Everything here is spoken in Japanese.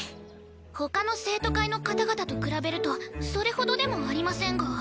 ほかの生徒会の方々と比べるとそれほどでもありませんが。